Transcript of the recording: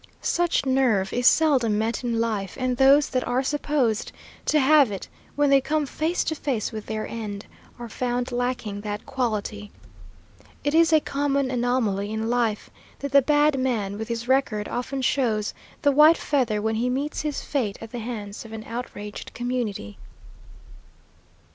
Such nerve is seldom met in life, and those that are supposed to have it, when they come face to face with their end, are found lacking that quality. It is a common anomaly in life that the bad man with his record often shows the white feather when he meets his fate at the hands of an outraged community."